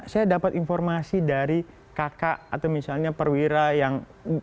saya dapat informasi dari kakak atau misalnya perwira yang